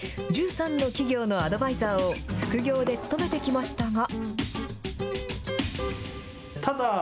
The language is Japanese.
１３の企業のアドバイザーを副業で務めてきましたが。